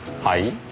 はい？